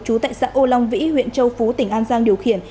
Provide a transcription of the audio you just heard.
chú tại xã ô long vĩ huyện châu phú tỉnh an giang điều khiển